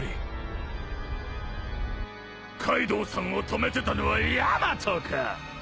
カイドウさんを止めてたのはヤマトか！